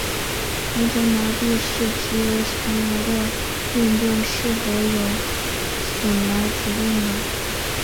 完全麻痹是藉由前额的运动是否有受损来决定。